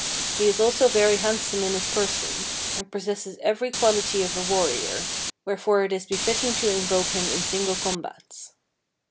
He is also very handsome in his person, and possesses every quality of a warrior, wherefore it is befitting to invoke him in single combats.